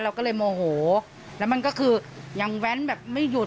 เราก็เลยโมโหแล้วมันก็คือยังแว้นแบบไม่หยุด